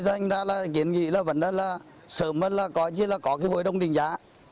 do anh ta là kiến nghị là vẫn đã là sớm là có chỉ là có cái hội đồng đình giá